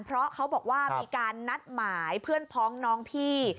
เพราะเขาบอกว่ามีการนัดหมายเพื่อนพ้องน้องพี่